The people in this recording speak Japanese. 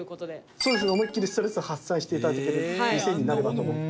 そうですね思いきりストレス発散して頂ける店になればと思って。